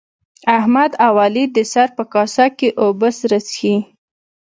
احمد او علي د سر په کاسه کې اوبه سره څښي.